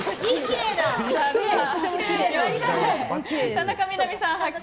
田中みな実さん発見